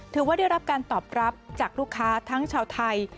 ถือว่าได้รับการตอบรับจากลูกค้าทั้งชาวไทย